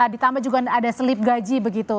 ditambah juga ada selip gaji begitu